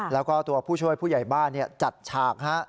แล้วก็ตัวผู้ช่วยผู้ใหญ่บ้านจัดฉาก